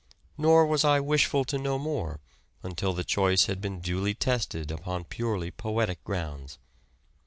Nor was I wishful to know more until the choice had been duly tested on purely poetic grounds.